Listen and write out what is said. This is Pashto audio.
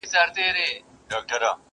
دا روايت د ټولنې ژور نقد وړلاندي کوي,